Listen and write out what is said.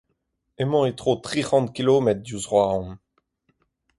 Emañ e-tro tri c'hant kilometr diouzh Roazhon.